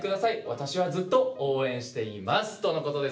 私はずっと応援しています」とのことですが。